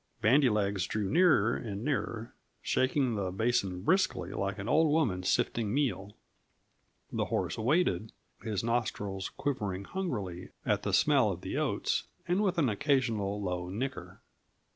Bandy legs drew nearer and nearer, shaking the basin briskly, like an old woman sifting meal. The horse waited, his nostrils quivering hungrily at the smell of the oats, and with an occasional low nicker.